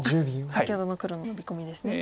先ほどの黒のノビコミですね。